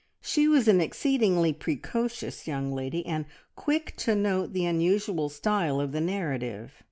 She was an exceedingly precocious young lady, and quick to note the unusual style of the narrative.